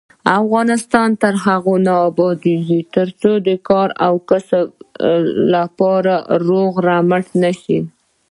افغانستان تر هغو نه ابادیږي، ترڅو د کار او کسب لپاره روغ رمټ نشو.